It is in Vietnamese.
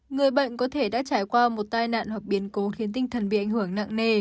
người bệnh có thể đã trải qua một tai nạn hoặc biến cố khiến tinh thần bị ảnh hưởng nặng nề